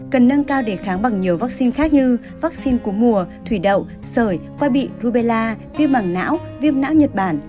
cần nâng cao đề kháng bằng nhiều vaccine khác như vaccine cú mùa thủy đậu sởi qua bị rubella viêm bằng não viêm não nhật bản